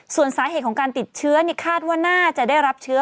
ส่วนสาเหตุของการติดเชื้อคาดว่าน่าจะได้รับเชื้อ